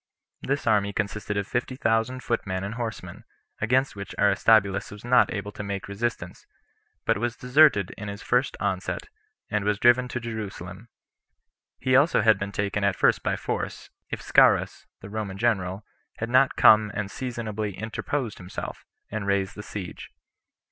This army consisted of fifty thousand footmen and horsemen, against which Aristobulus was not able to make resistance, but was deserted in his first onset, and was driven to Jerusalem; he also had been taken at first by force, if Scaurus, the Roman general, had not come and seasonably interposed himself, and raised the siege.